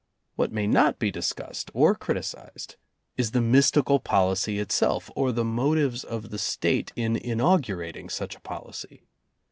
What may not be discussed or criticized is the mystical policy itself or the motives of the State in in augurating such a policy.